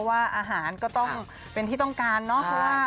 ว่าอาหารก็ต้องเป็นที่ต้องการเนาะ